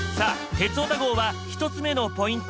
「鉄オタ号」は１つ目のポイント